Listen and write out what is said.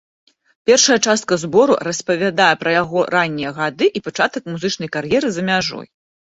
Першая частка збору распавядае пра яго раннія гады і пачатак музычнай кар'еры за мяжой.